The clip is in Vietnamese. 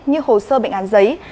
như hồ sơ bệnh án giấy